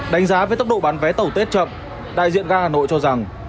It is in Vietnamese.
đánh giá với tốc độ bán vé tẩu tết chậm đại diện gà hà nội cho rằng